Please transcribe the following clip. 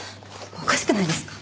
おかしくないですか？